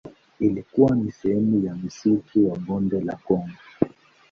Ilikuwa ni sehemu ya msitu wa Bonde la Kongo.